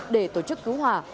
để tổ chức cứu hỏa